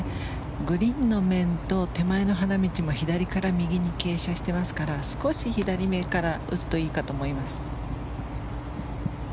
グリーンの面と手前の花道も左から右に傾斜していますから少し左めから打つといいかと思います。